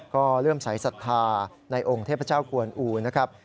ก็เริ่มสายศรัทธาในองค์เทพเจ้ากวนอูนะครับ